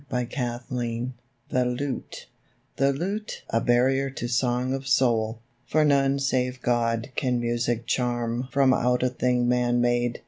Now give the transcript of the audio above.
DAY DREAMS THE LUTE The lute, a barrier to song of soul. For none save God Can music charm From out a thing man made.